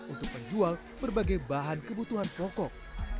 untuk menjual berbagai bahan kebutuhan pokok